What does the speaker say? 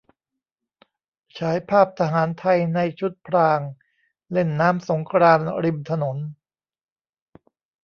ฉายภาพทหารไทยในชุดพรางเล่นน้ำสงกรานต์ริมถนน